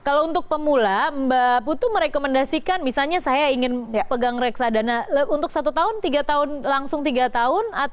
kalau untuk pemula mbak putu merekomendasikan misalnya saya ingin pegang reksadana untuk satu tahun tiga tahun langsung tiga tahun